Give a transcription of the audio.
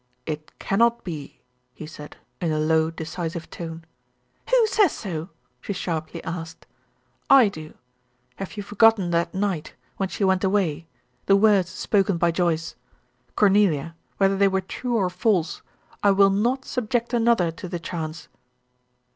"It cannot be," he said, in a low, decisive tone. "Who says so?" she sharply asked. "I do. Have you forgotten that night when she went away the words spoken by Joyce? Cornelia, whether they were true or false, I will not subject another to the chance."